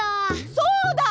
そうだ！